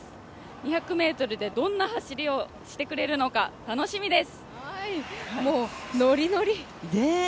２００ｍでどんな走りをしてくれるのか楽しみです！。